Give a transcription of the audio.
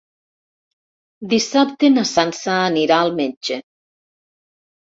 Dissabte na Sança anirà al metge.